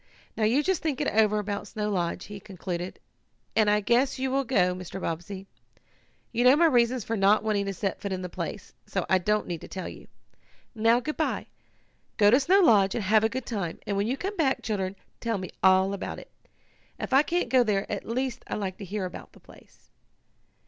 Now you just think it over about Snow Lodge," he concluded, "and I guess you will go, Mr. Bobbsey. You know my reasons for not wanting to set foot in the place, so I don't need to tell you. "Now, good bye. Go to Snow Lodge, and have a good time, and when you come back, children, tell me all about it. If I can't go there at least I like to hear about the place."